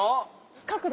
角度。